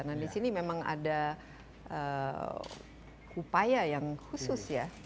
nah di sini memang ada upaya yang khusus ya